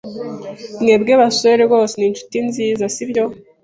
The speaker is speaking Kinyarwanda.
Mwebwe basore rwose ni inshuti nziza, sibyo?